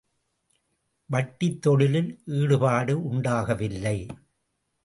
வட்டித் தொழிலில் ஈடுபாடு உண்டாகவில்லை.